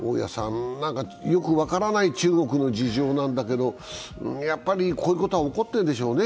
よく分からない中国の事情なんだけどやっぱりこういうことは起こっているんでしょうね？